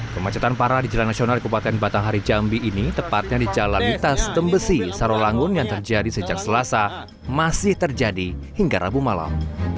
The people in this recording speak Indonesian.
kemacetan parah di jalan nasional di kabupaten batanghari jambi ini tepatnya di jalan lintas tembesi sarolangun yang terjadi sejak selasa masih terjadi hingga rabu malam